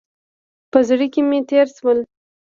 په زړه کې مې تېر شول.